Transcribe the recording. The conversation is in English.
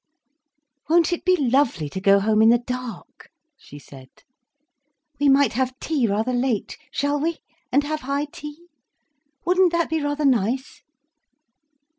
"Won't it be lovely to go home in the dark?" she said. "We might have tea rather late—shall we?—and have high tea? Wouldn't that be rather nice?"